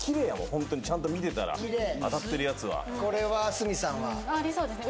ホントにちゃんと見てたら当たってるやつはこれは鷲見さんはありそうですね